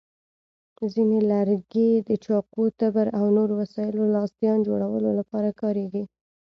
ځینې لرګي د چاقو، تبر، او نورو وسایلو لاستیان جوړولو لپاره کارېږي.